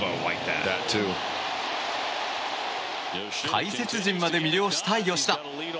解説陣まで魅了した吉田。